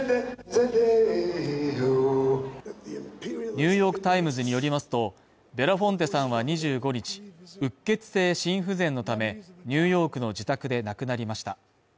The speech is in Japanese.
「ニューヨーク・タイムズ」によりますと、ベラフォンテさんは２５日、うっ血性心不全のためニューヨークの自宅で亡くなりました。